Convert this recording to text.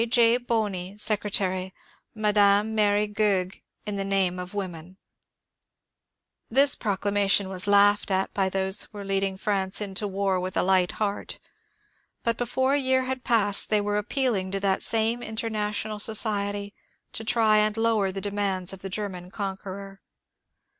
J. Bohny, secretary ; Mme. Mary Goegg, in the name of the women. 224 MONCURE DANIEL CX)NWAT This proclamation was laughed at by those who were leading France into war ^' with a light heart," but before a year had passed they were appealing to that same international society to try and lower the demands of the German conqueror.